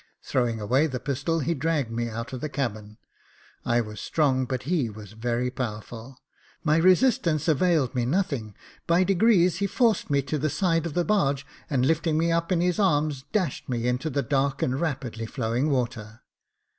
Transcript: Throwing away the pistol, he dragged me out of the cabin. I was strong, but he was very powerful ; my resistance availed me nothing : by degrees he forced me to the side of the barge, and, lifting me up in his arms, dashed me into the dark and rapidly flowing water.